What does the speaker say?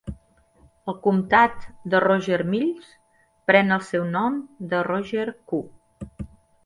El comtat de Roger Mills pren el seu nom de Roger Q.